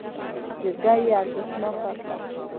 جرګه يې بې ارزښته کړه.